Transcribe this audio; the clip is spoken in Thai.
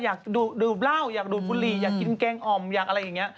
อยากดื่มเหล้าอยากดูดบุหรี่อยากกินแกงอ่อมอยากอะไรอย่างนี้